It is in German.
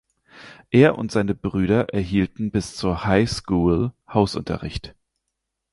Er und seine Brüder erhielten bis zur High School Hausunterricht.